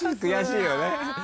悔しいよね。